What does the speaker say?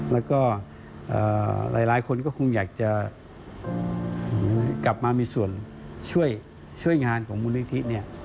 แล้วก็หลายคนก็คงอยากจะกลับมามีส่วนช่วยงานของมูลนิธิเนี่ย